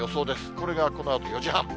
これがこのあと４時半。